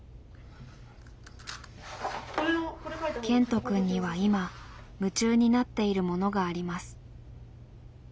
ケントくんには今夢中になっているものがあります。